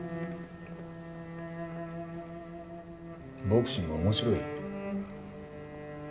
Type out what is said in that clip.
ボクシング面白い？